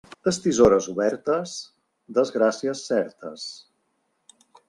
Estisores obertes, desgràcies certes.